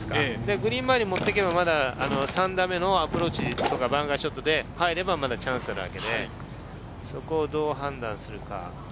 グリーンまで持っていけば３打目のアプローチもあって、バンカーショットで入ればチャンスがあるので、そこをどう判断するか。